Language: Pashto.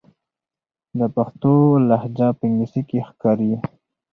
د پښتون لهجه په انګلیسي کې ښکاري.